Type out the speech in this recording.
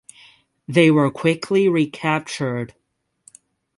They were quickly recaptured.